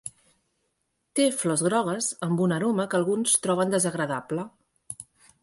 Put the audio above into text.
Té flors grogues amb una aroma que alguns troben desagradable.